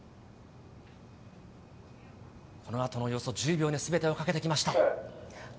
このあとのおよそ１０秒にかけてきました。